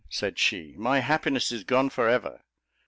said she; "my happiness is gone for ever."